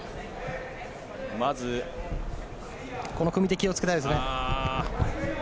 この組み手気をつけたいですね。